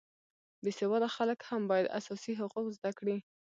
بې سواده خلک هم باید اساسي حقوق زده کړي